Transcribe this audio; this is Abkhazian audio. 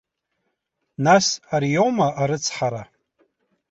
Нас, ариоума арыцҳара?